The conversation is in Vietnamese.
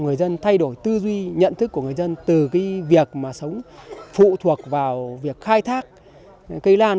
người dân thay đổi tư duy nhận thức của người dân từ cái việc mà sống phụ thuộc vào việc khai thác cây lan